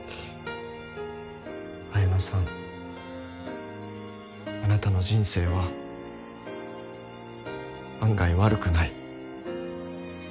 文乃さんあなたの人生は案外悪くない。